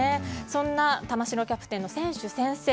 そんな玉城キャプテンの選手宣誓